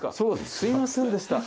すいませんでした。